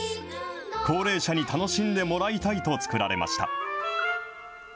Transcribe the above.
高齢者に楽しんでもらいたいと作られました。